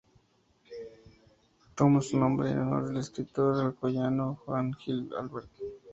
Toma su nombre en honor del escritor alcoyano Juan Gil-Albert.